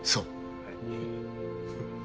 はい。